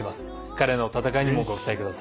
彼の戦いにもご期待ください。